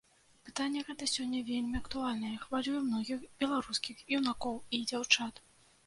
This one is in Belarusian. Пытанне гэта сёння вельмі актуальнае і хвалюе многіх беларускіх юнакоў і дзяўчат.